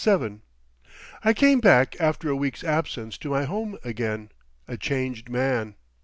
VII I came back after a week's absence to my home again—a changed man.